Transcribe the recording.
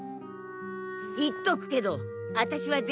言っとくけどあたしは銭